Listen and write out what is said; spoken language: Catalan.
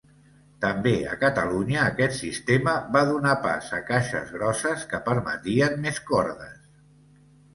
També a Catalunya aquest sistema va donar pas a caixes grosses que permetien més cordes.